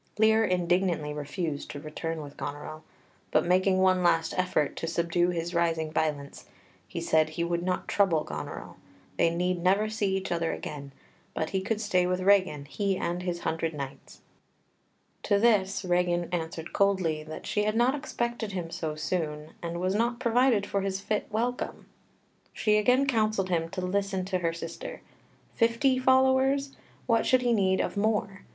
Lear indignantly refused to return with Goneril, but, making one last effort to subdue his rising violence, he said he would not trouble Goneril; they need never see each other again; but he could stay with Regan, he and his hundred knights. [Illustration: "You heavens, give me that patience, patience I need!"] To this Regan answered coldly that she had not expected him so soon, and was not provided for his fit welcome. She again counselled him to listen to her sister. Fifty followers? What should he need of more?